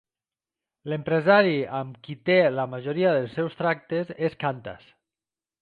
L'empresari amb qui té la majoria dels seus tractes és Qantas.